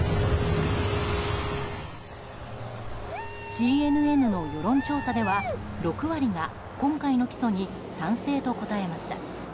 ＣＮＮの世論調査では、６割が今回の起訴に賛成と答えました。